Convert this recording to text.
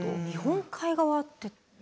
日本海側って。